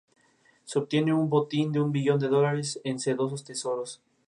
Se obtiene un botín de un billón de dólares en sedosos tesoros.